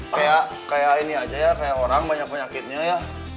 kayak kayak ini aja ya kayak orang banyak penyakitnya ya